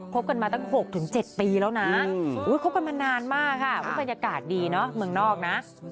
บกันมาตั้ง๖๗ปีแล้วนะคบกันมานานมากค่ะบรรยากาศดีเนาะเมืองนอกนะ